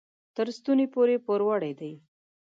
تر ستوني پورې پوروړي دي.